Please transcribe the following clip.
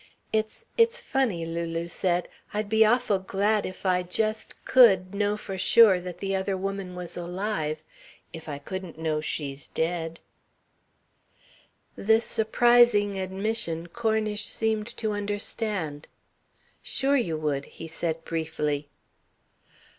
"It's it's funny," Lulu said. "I'd be awful glad if I just could know for sure that the other woman was alive if I couldn't know she's dead." This surprising admission Cornish seemed to understand. "Sure you would," he said briefly.